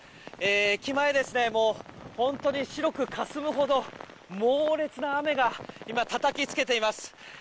駅前、本当に白くかすむほど猛烈な雨が今たたきつけています。